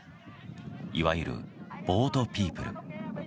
いわゆるボートピープル。